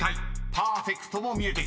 パーフェクトも見えてきました］